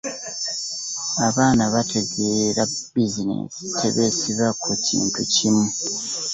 Abaana abategeera bizineesi tebeesiba ku kintu kimu.